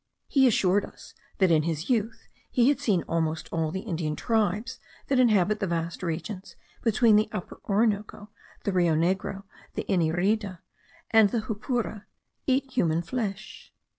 He assured us that in his youth he had seen almost all the Indian tribes that inhabit the vast regions between the Upper Orinoco, the Rio Negro, the Inirida, and the Jupura, eat human flesh.